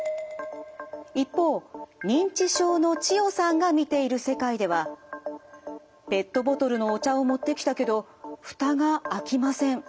一方認知症の千代さんが見ている世界ではペットボトルのお茶を持ってきたけどフタが開きません。